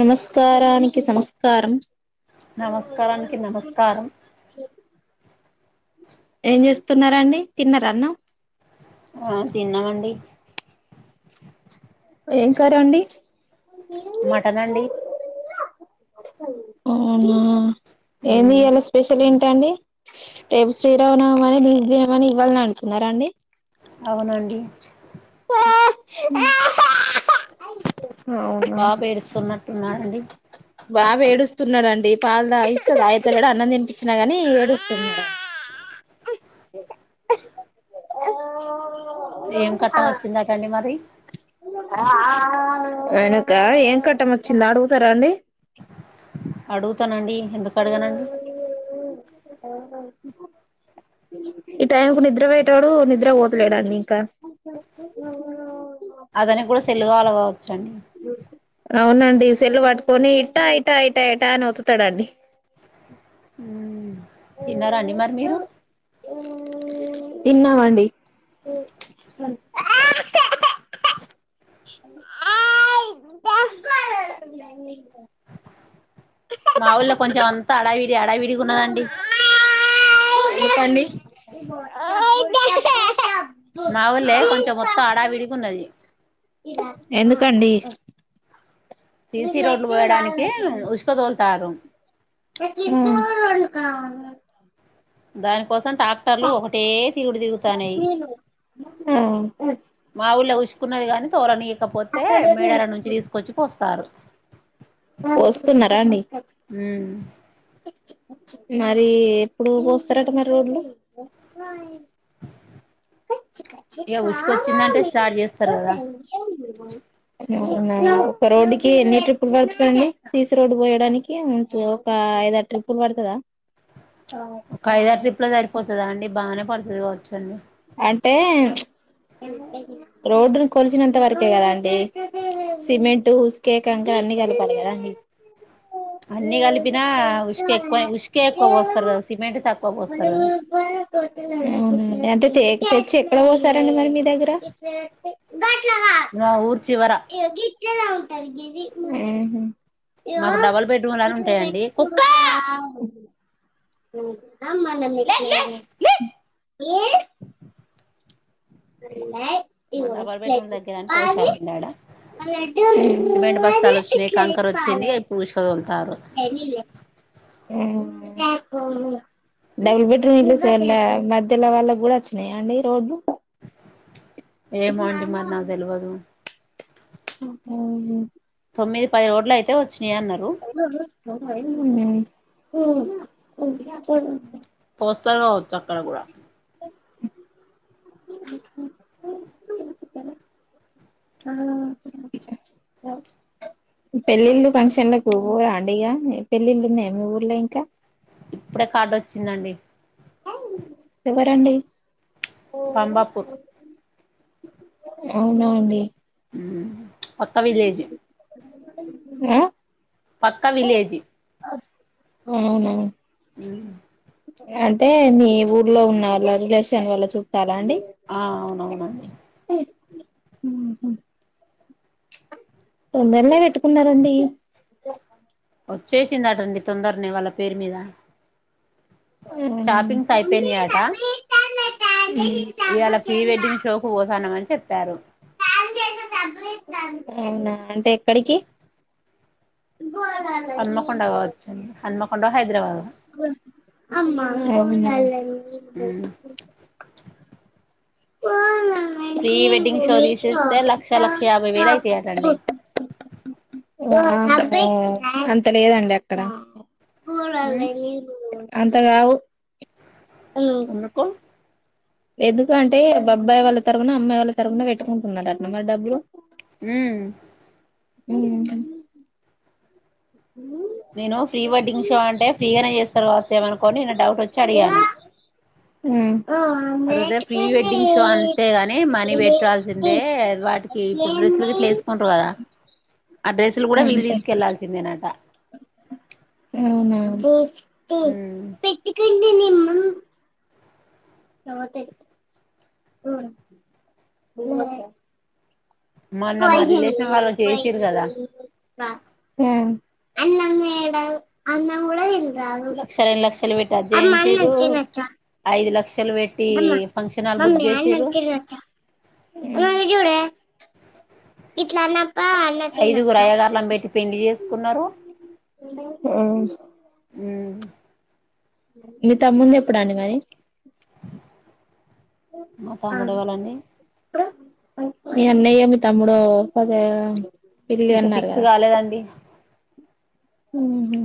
నమస్కార్ రనికి సమస్కారం నమస్కారానికి నమస్కారం ఏం చేస్తున్నారాండి తిన్నార అన్న ఆ తిన్నామండి ఏం కర్రి అండి మటన్ అండి అవున ఏంది మ్మ్ ఇయ్యాల స్పెషల్ ఏంటి ఇటురండి రేపు శ్రీరామనవమి అని దీ దీనం అని ఇవాళనే వెళ్తునరాండి అవునండి అవునా బాబు ఏడుస్తున్నట్టున్నాడండి బాబు ఏడుస్తున్నాడుండి పాలు తపిస్తే తాయతలేడు అన్నం తినిపించినా గాని ఏడుస్తున్నాడు అండి ఏం కట్టం వచ్చిందటండి మరి అయనక ఏం కట్టం వచ్చింది అడుగుతారా అండి అడుగుతానండి ఎందుకు అడగనండి ఈ టైంకు నిద్ర పోయేటోడు నిద్ర పోతలేడండి ఇంకా అతని కూడా సెల్ కావాలా కాదు చడి అవునండి సెల్లు పట్టుకొని ఇట్టా ఇట్టా ఇటా ఇటా అని వత్తుతాడండి ఉ తిన్నారా అండి మరి మీరు తిన్నామండి మా ఊళ్ళో కొంచెం అంతా అడావిడి అడావిడిగా ఉన్నదండి చెప్పండి మావుల్లే కొంచెం మోతే హడావిడిగున్నది ఎందుకండి సిసి రోడ్లు పోయడానికి ఉష్క తోల్ తారు [unintelligible] కావాలి దానికోసం టాక్టర్లు ఒకటే తిరుగుడు తిరుగుతాన్నయి ఆ మా ఊళ్ళ ఉష్కున్నది కాని తోలనీయకపోతే మేడారం నుంచి తీసుకొచ్చి పోస్తారు వస్తున్నరా అండి ఉమ్ మరి ఎప్పుడు పోస్తారట మరి రోడ్లు కచ్చి కచ్చి ఇక ఉసుకొచ్చిందంటే కావలి స్టార్ట్ చేస్తారు కదా [unintelligible] నా ఒక రోడ్డుకి ఎన్ని ట్రిప్పులు పడుతుంది అండి సీసి రోడ్డు పోయడానికి ఒక ఐ ఐదు ఆరు ట్రిప్పులు పడుతదా ఒక ఐదారు ట్రిపులే సరిపోతాదా అండి బాగానే పడుతదిగావచ్చండి అంటే ప్చ్ రోడ్డును కొలిచినంత వరకే కదా అండి సిమెంట్ ఉసుకే కంకర అన్ని కలపాలి కదాండి అన్ని కలిపిన ఉసుక ఎక్కువై ఉసుకే ఎక్కువ పోస్తారు కదా సిమెంట్ తక్కు [unintelligible] మ్మ్ హ్మ్ అంటే టేకు తెచ్చి ఎక్కడ పోశారండి మరి మీ దగ్గర నా ఊర్ [unintelligible] మాకు డబల్ హుహు బెడ్రూమ్లు అని ఉంటాయండి కుక్క [unintelligible] లే లే లే [unintelligible] మా డబల్ బెడ్రూమ్ దగ్గర అని పోశారండి ఆడ [unintelligible] సిమెంట్ బస్తాలు [unintelligible] ఆరు మ్మ్ డబుల్ బెడ్రూమ్ ఇల్లు సర్లే మధ్యలో వాళ్ళ కూడా వచ్చినాయా అండి రోడ్లు ఏమో అండి మరి నాకు తెలువదు [inaudible] తొమ్మిది పది రోడ్లయితే వచ్చు ఏ అన్నారు [inaudible] వస్తది కావచ్చు అక్కడ కూడా [inaudible] పెళ్లిళ్లు ఫంక్షన్లలకు పోరండి ఇగ పెళ్ళిళ్ళు ఉన్నాయా మీ ఊర్లో ఇంకా ఇప్పుడే కార్డు వచ్చిందండి ఎవరండి పంబపూర్ అవునా అండి హు అత్త వీడియో ఇది హా పక్క విలేజీ అవునా హు అంటే నీ ఊర్లో ఉన్న లగ్లేషన్ వాళ్ల చు ఆ అవునువునుండి హు హు తొందరనే పెట్టుకున్నారండి వచ్చేసిందటండి తొందరనే వాళ్ల పేరు మీద షాపింగ్స్ అవున ఇయల్లా ప్రీ వెడ్డింగ్ షోకు పోతనమని చెప్పారు అవునా అంటే ఎక్కడికి హు హన్మకొండ కావచ్చండి హన్మకొండ హైదరాబాద్ పోనా ప్రీ వెడ్డింగ్ షో తీసేస్తే లక్ష లక్ష యాభై వేలు అయితాయాంటండీ అంత లేదండి అక్కడ కూలర్ తెగిందసుడు అంతగావు అందుకో ఎందుకంటే అబ్బాయి వాళ్ళ తరఫున అమ్మాయి వాళ్ళ తరఫున పెట్టుకుంటున్నారట మరి డబ్బులు ఉ ఉహు నేను ప్రీ వెడ్డింగ్ షో అంటే ఫ్రీగానే చేస్తారు కావచ్చు ఏమనుకోని నిన్న డౌట్ వచ్చి అడిగాను అడిగితే ప్రీ వెడ్డింగ్ షో అంతే గాని మనీ పెట్టాల్సిందే వాటికి ఇప్పుడు డ్రెస్సులు గిట్లా వేసుకుంటారు కదా ఆ డ్రెసులు కూడా వీళ్ళు అంతే తీసుకెళ్లాల్సిందనట అవునా ఉమ్ ప్రతిక నమ తతే మొన్న కొ మా రిలేషన్ వాళ్ళు హు చేసిరు కదా లక్ష రెండు లక్షలు బెట్టి అజిచేయించిర్రు ఐదు లక్ష హు ఇట్లా అన్న ఐదుగురు అయ్యగార్లని పెట్టి పెళ్లి చేసుకున్నారు ఆ మీ తమ్మున్ని ది ఎప్పుడు అండి మరి మా తమ్ముడు ఎవలండి మీ అన్నయ్య మీ తమ్ముడు ఓ కదా ఇంకా ఫిక్స్ కాలేదండి ఉహు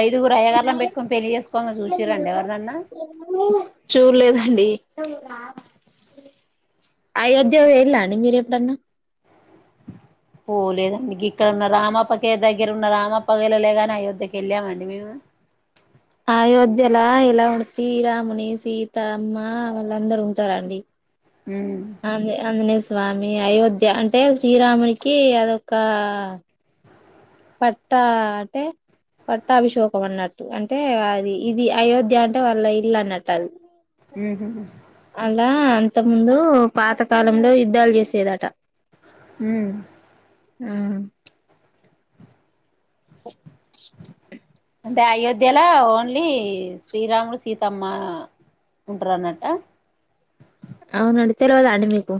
ఐదుగురు అయ్యగారులం పెట్టుకొని పెళ్లిి చేసుకోంగా చూసిరండి ఎవరినన్నా చూడలేదండి అయోధ్య వేయిళ్ళాండి మీరు ఎప్పుడన్నా పోలేదండి ఇక్కడన్న రామప ఇగ దగ్గర ఉన్నారు ఆమ పగిలలేగానీ అయోధ్యకి వెళ్ళామండి మేము అయోధ్యలా ఇలా ఉ శ్రీరాముని సీత అమ్మ వాళ్ళందరు ఉంటారా అండి ఉమ్ అే అ ని స్వామి అయోధ్య అంటే శ్రీరామునికి అదొక పట్ట అంటే పట్టాభిషోకం అన్నట్టు అంటే అది ఇది అయోధ్య అంటే వాళ్ళ ఇల్లు అన్నట్టు అది ఏ ఇంత ముందు పాతకాలంలో యుద్ధాలు చేసేదట హ ఆ అంటే అయోధ్యలో ఓన్లీ శ్రీరాములు సీతమ్మ ఉంటారు అన్నట్ట అవునండి తెల్వదా మీకు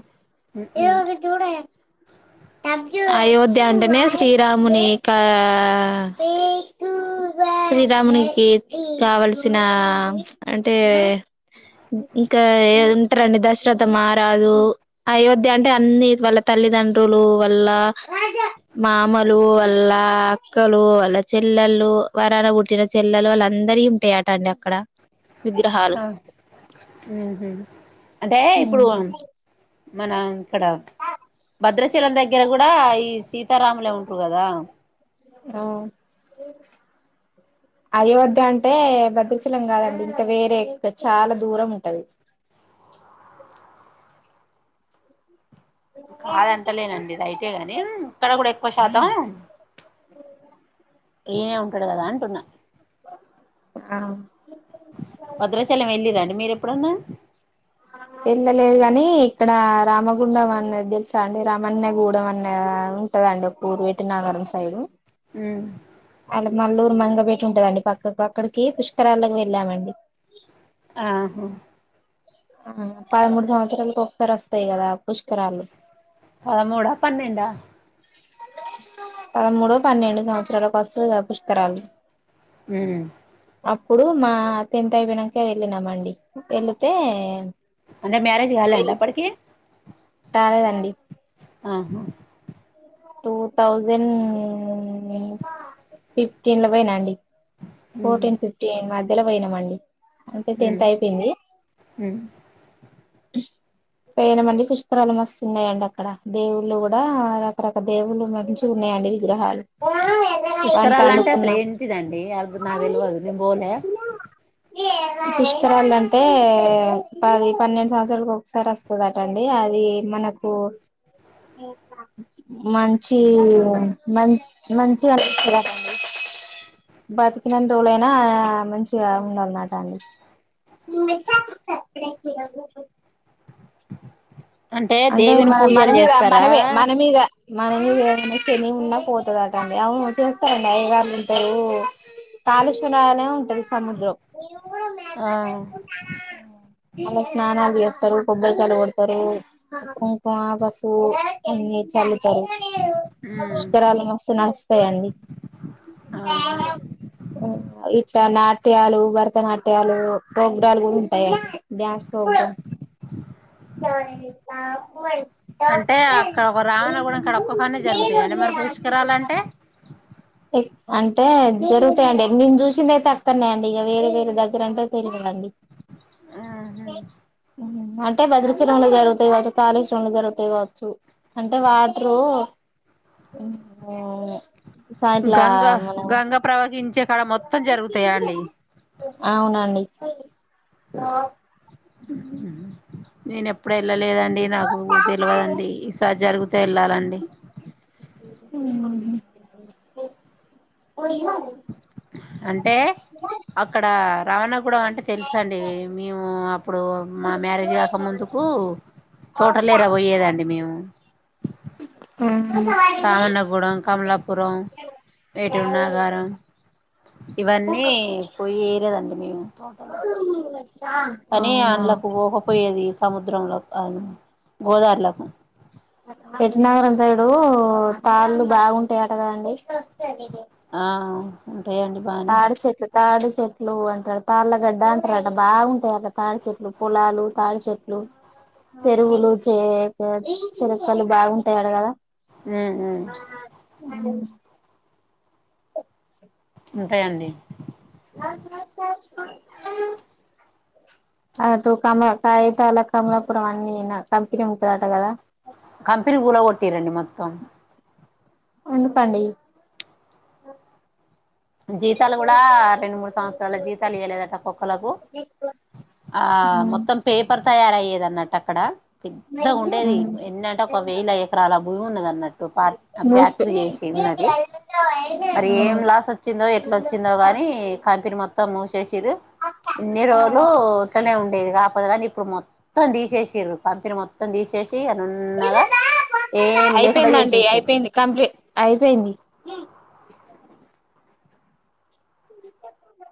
ఉమ్ ఏదగ చూడే అయోధ్య అంటేనే శ్రీరామునికా శ్రీరామునికి కావల్సిన అంటే ఇంకా ఏ అట్టండి దశరథ మారాదు అయోధ్య అంటే అన్నిీ వాళ్ళ తల్లిదండ్రులు వాళ్ల మామలు వాళ్ళ అక్కలు వాళ్ళ చెల్లెలు వరాన పుట్టిన చెల్లెలు వాళ్ళ అందరి ఉంటాయట అండి అక్కడ విగ్రహాలు ఆ అంటే ఇప్పుడు అవును మన ఇక్కడ భద్రశీలం దగ్గర దగ్గర కూడా ఈ సీతారాములే ఉంటారు కదా అయోధ్య అంటే భద్రచలం కాదండి ఇంకా వేరే చాలా దూరం ఉంటది కాదంటలేనండి రైటేగాని ఇక్కడ కూడా పషాద ఏేనే ఉంటాడు కదా అంటున్నా భద్రాశైలం వెళ్ళి రండి మీరు ఎప్పుడున్న వెళ్ళలేదు కాని ఇక్కడ రామగుండం అనేది తెలుసా అండి రామన్యగూడం అనేది ఉంటదండి వేటి నాగరం సైడు ఉమ్ అలా మల్లూరు మంగపేట ంటదండి పక్క అక్కడికి పుష్కరాాలకి వెళ్ళామండి ఆహా ఆ పదమూడు సంవత్సరాలకు ఒకసారి వస్తాయి కదా పుష్కరాలు పదమూడా పన్నెండ పదమూడుో పన్నెండు సంవత్సరాలకు వస్తుంది కదా పుష్కరాలు అ అప్పుడు మా తింత్ అయవినకా వెళ్ళినమండి అంటే మ్యరజ్ గాలె అండి అపడికి తాాలేదండి ఆహా టూ థౌజండ్ ఫిఫ్టీన్ల పోయిన అండి ఉమ్ ఫోర్టీన్ ఫిఫ్టీన్ మ దల పోయినమండి అంటే టెన్త్ ఉమ్ అయిపోయింది ఉమ్ పోయినమండి పుష్కరాలు వస్తున్నాయండి అక్కడ దేవుళ్ళు కూడా రక దేవులు మరి ట్టు చూన్నాయండి విగ్రహాలు అంట అడుకున్నా నాగ తెల్వదు నిం పోలే పుష్కరాలు అంటే పది పన్నెండు సంవత్సరాలకు ఒకసారి వస్తుందటండి అది మనకు మంచి మ మంచిగ అనిపిస్తాదాంట బతికినాన్రోజులైన మంచిగా ఉందన్నమాట [inaudible] [inaudible] అంటే దేవుని మన మన పూజలు మీద చేస్తారా మనమ మన మీద మన మీద ఏ శని ఉన్నా పోతదంట అండి అవును చేస్తారండి అఐవాళ్లు ఉంటారు కాలుష్వరనే ఉంటది సముద్రం ఆ అలా స్నానాలు చేస్ దరు కొబ్బరి కాయలు కొడతారు అవును ఆ బస్ మ్మ్ నేచ్ పుష్కరాలు జరుగు ఉమ్ పుష్కరాలు మస్తు నడుస్తాయి ఆండీ ఆహా నాట్యాలు భరతనాట్యాలు ప్రోగ్రాలు కూడా ఉంటాయండి డ్యాన్స్ గా [unintelligible] ఆ మరి అంటే అక్కడ ఒక రావణ కూడా ఇక్కడ ఒక్కో కానే జరుగుతాయి అంటే మరి పురుష్కరాలు అంటే ఏ అంటే జరుగుతాయండి నేను చూసింది అయితే అక్కన్నాయండి ఇక వేరే వేరే దగ్గర అంటే తెలు టండీ ఆహా హ్మ్ హు అంటే భద్రచలంలో జరుగుతాయి కావచ్చు కాళేశ్వరంలో జరుగుతాయి కావచ్చు అంటే వాటరు సా ఇట్లా గంగ గంగ ప్రవహించే కాడ మొత్ అవునా అండి ఆ నేను ఎప్పుడ వెళ్ళలేదండి నాకు తెల్వదండి ఈసారి జరుగుతు తే వెళ్ళాలండి పోయో [unintelligible] అంటే అక్కడ రవన్నగూడెం అంటే తెలుసు అండి మేము అప్పుడు మా మ్యారేజ్ గాక ముందుకు తోటలేరా వొయ్యేది అండి మేము హ్మ్ రావన్నగూడెం కమలాపురం ఏటూర్ నాగారం ఇవన్నీ పోయి ఏరేదండి మేము కానీ అవునా అంళలకు పోకపోయేది సముద్రంలో కానీ ఎటునాగారం సైడ్ పాళ్లు బాగుంటాయట గాదండి ఆ ఎయ్యండి బాగానే తాడి చెట్లు తాడి చెట్లు అంటాడు తాళ్ళగడ్డ అంటారట బాగుంటాయట తాడి చెట్లు పొలాలు తాడి చెట్లు చెరువులు చె చెరుక్కలు బాగుంటాయడ గదా ఉమ్ ఉమ్ అం చ్చు ఓ ఉంటాయి అండి అటూ కమల్ కాయితాల కమలాపురం అన్నీ నా కంపెనీ ఉంటుందట గదా కంపెనీ కూల కొట్టిరండి మొత్తం ఉనుపాండి జీతాలు గూడా రెండు మూడు సంవత్సరాల జీతాలు ఇయ్యలేదట ఒక్కొక్కలకు ఆ మొత్తం పేపర్ తయారు అయ్యేది అన్నట్టు అక్కడ పెద్దగా ఉండేది ఎన్ని అంటే ఒక వేల ఎకరాల భూమి ఉన్నది అన్నట్టు పాట్ ఆ న్యూస్ ఫ్యాక్టరీ చేసి ఉన్నది మరి ఏం లాస్ వ వచ్చిందో ఎట్లా వచ్చిందో గాని కంపెనీ మొత్తం మూసేసిర్రు ఇన్ని రోజులు ఇట్లనే ఉండేది గా పొదగండి ఇప్పుడు మ మొత్తం తీసేసిర్రు కంపెనీ మొం మొత్తం తీసేసి చేయనున్నాగా ఏం లేకుండా అయిపోయిందండి చేసేసిర్రు అయిపోయింది కంప్లీట్ అయిపోయింది జి పట్టు ఉందా